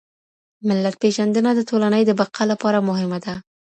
ملت پېژندنه د ټولنې د بقا لپاره مهمه ده.